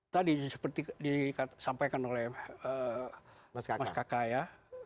tadi seperti disampaikan oleh mas kakak ya